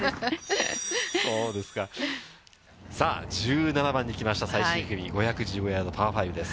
さあ、１７番に来ました、最終組、１１５ヤードパー５です。